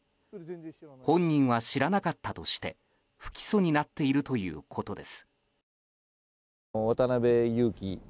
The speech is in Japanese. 本人は知らなかったとして不起訴になっているということです。